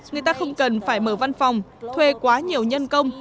người ta không cần phải mở văn phòng thuê quá nhiều nhân công